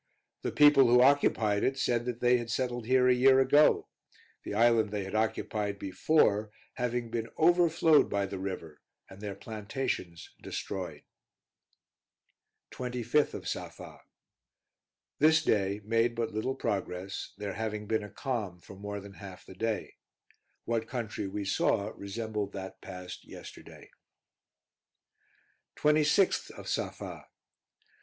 The people who occupied it, said that they had settled here a year ago; the island they had occupied before having been overflowed by the river, and their plantations destroyed. 25th of Safa. This day made but little progress, there having been a calm for more than half the day; what country we saw resembled that passed yesterday. 26th of Safa.